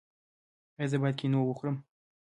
ایا زه باید کینو وخورم؟